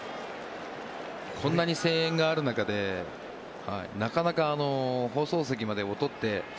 こんなに声援がある中でなかなか放送席まで音って。